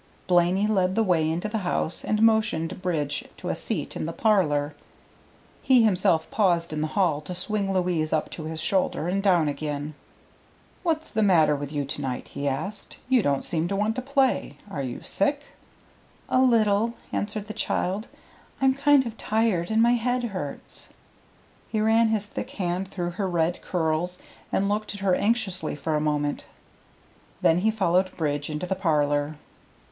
Blaney led the way into the house, and motioned Bridge to a seat in the parlor. He himself paused in the hall to swing Louise up to his shoulder and down again. "What's the matter with you to night?" he asked. "You don't seem to want to play. Are you sick?" "A little," answered the child. "I'm kind of tired, and my head hurts." He ran his thick hand through her red curls, and looked at her anxiously for a moment. Then he followed Bridge into the parlor.